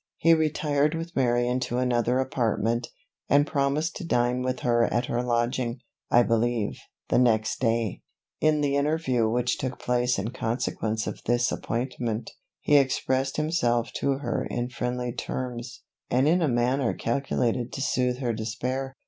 He retired with Mary into another apartment, and promised to dine with her at her lodging, I believe, the next day. In the interview which took place in consequence of this appointment, he expressed himself to her in friendly terms, and in a manner calculated to sooth her despair.